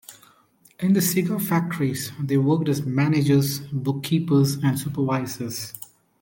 In the cigar factories, they worked as managers, bookkeepers, and supervisors.